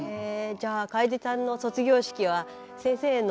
じゃあ楓さんの卒業式は先生の。